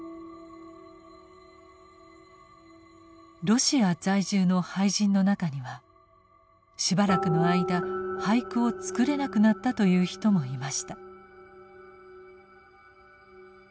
ロシア在住の俳人の中にはしばらくの間俳句を作れなくなったという人もいました。